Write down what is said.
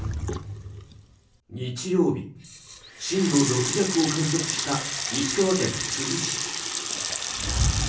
日曜日、震度６弱を観測した石川県珠洲市。